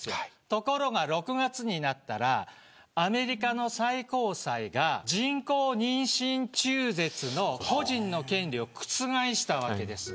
ところが、６月になったらアメリカの最高裁が人工妊娠中絶の個人の権利を覆したわけです。